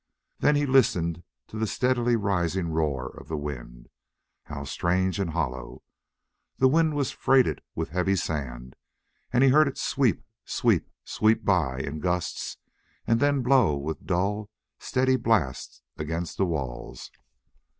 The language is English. Then he listened to the steadily rising roar of the wind. How strange and hollow! That wind was freighted with heavy sand, and he heard it sweep, sweep, sweep by in gusts, and then blow with dull, steady blast against the walls.